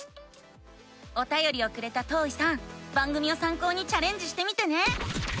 おたよりをくれたとういさん番組をさん考にチャレンジしてみてね！